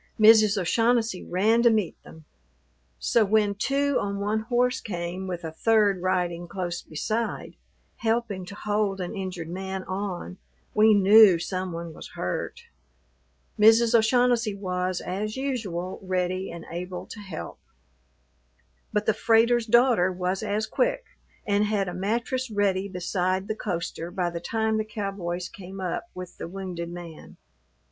Mrs. O'Shaughnessy ran to meet them. So when two on one horse came with a third riding close beside, helping to hold an injured man on, we knew some one was hurt. Mrs. O'Shaughnessy was, as usual, ready and able to help. But the freighter's daughter was as quick and had a mattress ready beside the coaster by the time the cowboys came up with the wounded man.